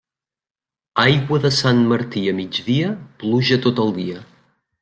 Aigua de Sant Martí a migdia, pluja tot el dia.